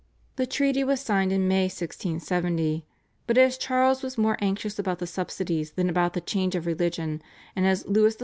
The treaty was signed in May 1670, but as Charles was more anxious about the subsidies than about the change of religion, and as Louis XIV.